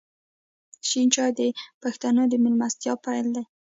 شین چای د پښتنو د میلمستیا پیل دی.